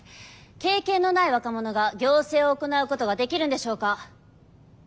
経験のない若者が行政を行うことができるんでしょうか。